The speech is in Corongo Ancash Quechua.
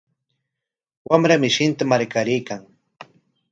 Wamra mishinta marqaraykan.